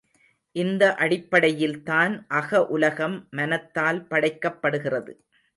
இந்த அடிப்படையில்தான் அக உலகம் மனத்தால் படைக்கப்படுகிறது.